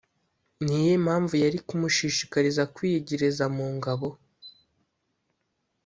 ni iyihe mpamvu yari kumushishikariza kwiyegereza mu ngabo